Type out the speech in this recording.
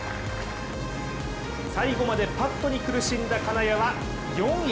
最後までパットに苦しんだ金谷は４位。